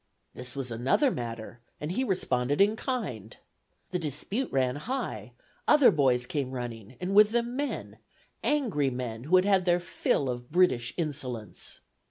This was another matter, and he responded in kind. The dispute ran high; other boys came running, and with them men, angry men who had had their fill of British insolence.